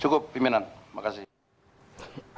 cukup pimpinan makasih